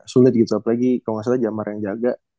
sulit gitu apalagi kalo gak salah jamar yang jaga